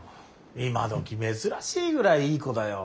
今どき珍しいぐらいいい子だよ。